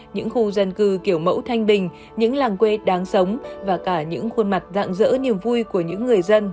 những khu dân cư kiểu mẫu thanh bình những làng quê đáng sống và cả những khuôn mặt dạng dỡ niềm vui của những người dân